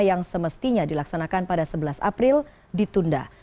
yang semestinya dilaksanakan pada sebelas april ditunda